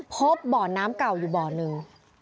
พบบ่อน้ำเก่าอยู่บ่อหนึ่ง